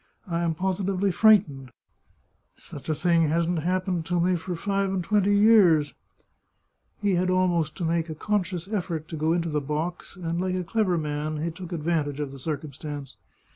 " I am positively frightened ! Such a thing hasn't happened to me for five and twenty years !" He had almost to make a conscious effort to go into the box, and like a clever man he took advantage of the circumstance.